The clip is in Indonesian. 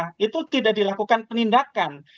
nah itu tidak dilakukan penindakan